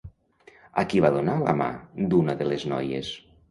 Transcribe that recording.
A qui va donar la mà d'una de les noies?